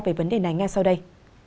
về vấn đề này ngay sau đây